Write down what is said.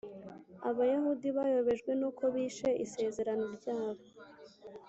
abayahudi bayobejwe n’uko bishe isezerano ryabo